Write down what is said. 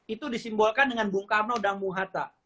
itu disimbolkan dengan bung karno dan muhata